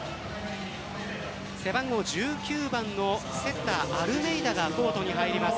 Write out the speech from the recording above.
背番号１９番のセッター・アルメイダがコートに入ります。